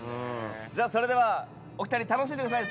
じゃあそれではお二人楽しんでください。